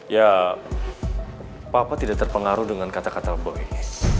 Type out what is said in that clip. ya papa tidak terpengaruhi dengan kata kata boy